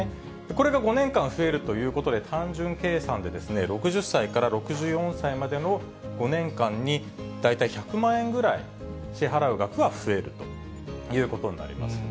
これが５年間増えるということで、単純計算で６０歳から６４歳までの５年間に、大体１００万円ぐらい、支払う額は増えるということになります。